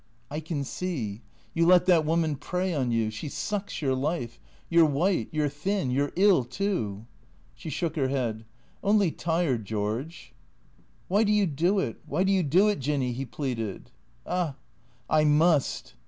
" I can see. You let that woman prey on you. She sucks your life. You 're white ; you 're thin ; you 're ill, too." She shook her head. " Only tired, George." " Why do you do it ? Why do you do it, Jinny ?" he pleaded. " Ah — I must."